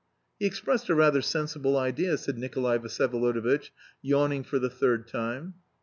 "He expressed a rather sensible idea," said Nikolay Vsyevolodovitch, yawning for the third time.